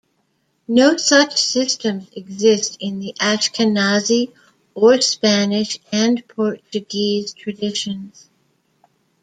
No such systems exist in the Ashkenazi or Spanish and Portuguese traditions.